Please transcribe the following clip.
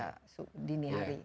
tidak dini hari